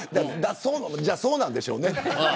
じゃあそうなんでしょうね。